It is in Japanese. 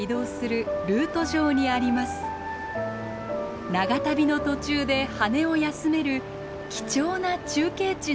長旅の途中で羽を休める貴重な中継地なのです。